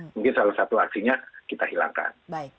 mungkin salah satu aksinya kita hilangkan